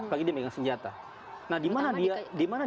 lagi dia pegang senjata nah di mana